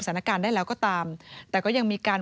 สถานการณ์ได้แล้วก็ตามแต่ก็ยังมีการ